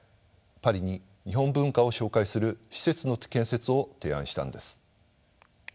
パリに日本文化を紹介する施設の建設を提案したんです。